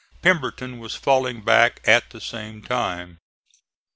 Pemberton was falling back at the same time.